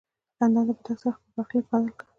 لندن ته په تګ سره یې خپل برخلیک بدل کړ.